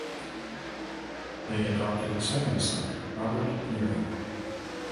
They adopted a second son, Robert Nearing.